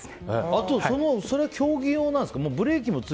あと、それも競技用なんですか？